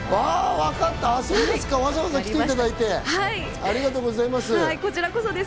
わざわざ来ていただいて、ありがとうございます。